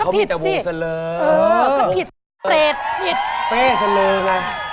เขามีแต่วงเสลอเออก็ผิดสเปรตผิดเป้สเลอไง